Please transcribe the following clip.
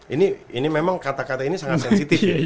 ini memang kata kata ini sangat sensitif